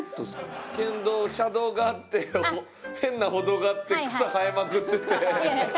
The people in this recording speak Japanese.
県道車道があって変な歩道があって草生えまくってて。